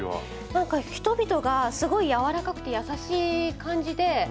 なんか人々がすごい柔らかくて優しい感じで。